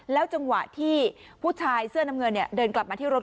จังหวะที่ผู้ชายเสื้อน้ำเงินเดินกลับมาที่รถ